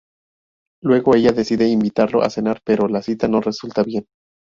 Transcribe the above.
Luego, ella decide invitarlo a cenar pero la cita no resulta bien.